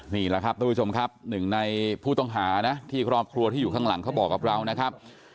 นี่แหละครับท่านผู้ชมครับหนึ่งในผู้ต้องหานะที่ครอบครัวที่อยู่ข้างหลังเขาบอกกับเรานะครับ